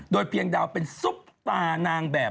โดยเพียงดาวเป็นซุปตานางแบบ